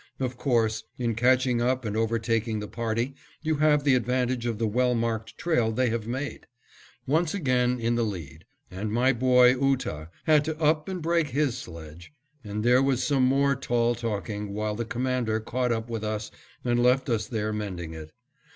Of course, in catching up and overtaking the party, you have the advantage of the well marked trail they have made. Once again in the lead; and my boy, Ootah, had to up and break his sledge, and there was some more tall talking when the Commander caught up with us and left us there mending it.